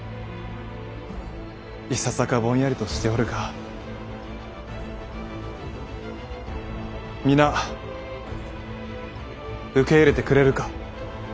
いささかぼんやりとしておるが皆受け入れてくれるか？